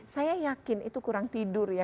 saya yakin itu kurang tidur ya